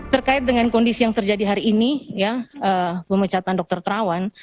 terkait dengan kondisi yang terjadi hari ini pemecatan dokter terawan